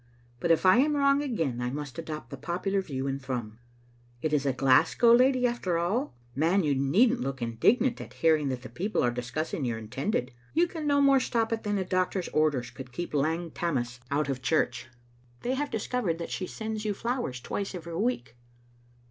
But if I am wrong again, I must adopt the popular view in Thrums. It is a Glasgow lady after all? Man, you needn't look indignant at hearing that the people are discussing your intended. You can no more stop it than a doctor's orders could keep Lang Tammas out of Digitized by VjOOQ IC 189 XSbc Xlttle AiniBtet. church. They have discovered that she sends yoa flowers twice every week."